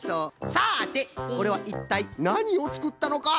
さあでこれはいったいなにをつくったのか？